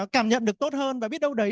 cảm nhận được tốt hơn và biết đâu đấy